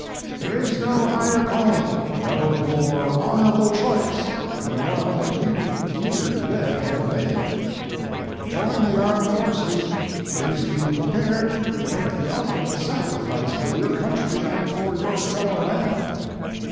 There is no higher calling, no more honorable choice than the one that you here today have made. To join the Armed Forces is to be prepared to make the ultimate sacrifice for your country and for your fellow man.